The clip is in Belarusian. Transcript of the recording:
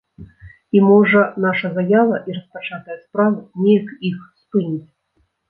І, можа, наша заява і распачатая справа неяк іх спыніць.